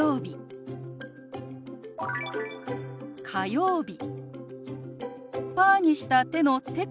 「火曜日」。